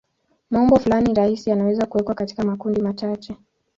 Maumbo fulani rahisi yanaweza kuwekwa katika makundi machache.